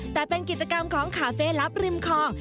แต่เป็นกิจกรรมของคาเฟ่ลับริมคลอง